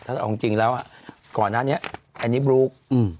ถ้าจริงแล้วก่อนนั้นเนี่ยแอนิบลูก